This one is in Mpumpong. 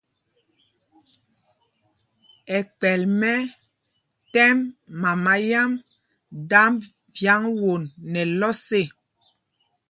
Ɛkpɛl mɛ tɛ́m mama yám dámb vyǎŋ won nɛ lɔs ê.